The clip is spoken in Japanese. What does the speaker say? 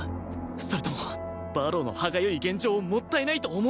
それとも馬狼の歯がゆい現状をもったいないと思うからか？